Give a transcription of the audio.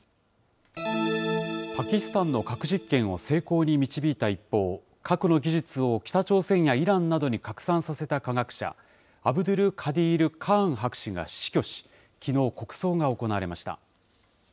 パキスタンの核実験を成功に導いた一方、核の技術を北朝鮮やイランなどに拡散させた科学者、アブドゥル・カディール・カーン博士が死去し、きのう、国葬が行われました。